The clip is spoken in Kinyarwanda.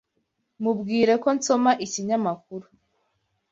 Mubwire ko nsoma ikinyamakuru.